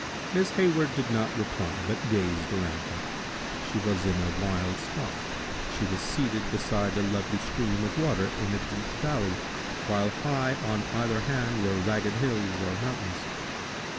Miss Hayward did not reply, but gazed around her. She was in a wild spot. She was seated beside a lovely stream of water, in a deep valley, while high on either hand were ragged hills or mountains.